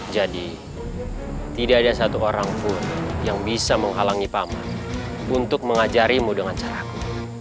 jadi tidak ada satu orang pun yang bisa menghalangi paman untuk mengajarimu dengan caraku